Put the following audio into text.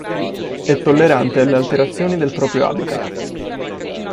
È tollerante alle alterazioni del proprio habitat.